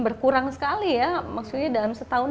berkurang sekali ya maksudnya dalam setahun